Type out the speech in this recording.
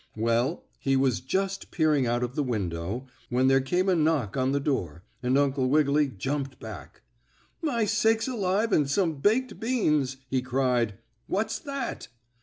Well, he was just peering out of the window, when there came a knock on the door, and Uncle Wiggily jumped back. "My sakes alive and some baked beans!" he cried. "What's that?"